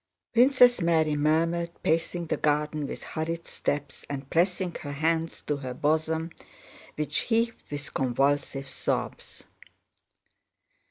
Princess Mary murmured, pacing the garden with hurried steps and pressing her hands to her bosom which heaved with convulsive sobs.